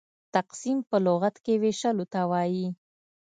تقسيم په لغت کښي وېشلو ته وايي.